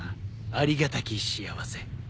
ありがたき幸せ。